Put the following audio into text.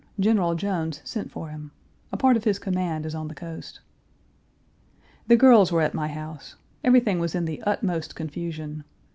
General Jones sent for him. A part of his command is on the coast. The girls were at my house. Everything was in the utmost confusion.